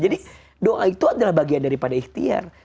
jadi doa itu adalah bagian daripada ihtiar